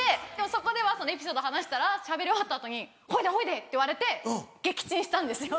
そこではエピソード話したらしゃべり終わった後に「ほいでほいで？」って言われて撃沈したんですよ